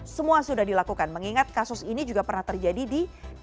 semua sudah dilakukan mengingat kasus ini juga pernah terjadi di dua ribu dua puluh